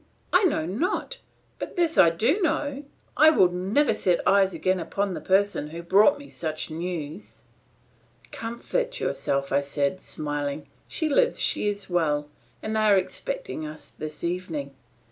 I know not; but this I do know, I would never set eyes again upon the person who brought me such news." "Comfort yourself," said I, smiling, "she lives, she is well, and they are expecting us this evening.